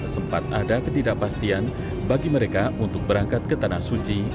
sempat ada ketidakpastian bagi mereka untuk berangkat ke tanah suci